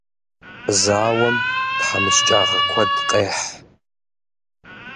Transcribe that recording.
Зауэм тхьэмыщкӏагъэ куэд къехь.